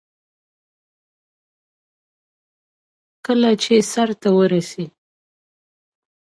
د امریکا ځینو سوداګرو د پولادو شرکت تاسیس کړی و